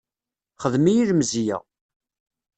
Xdem-iyi lemzeyya.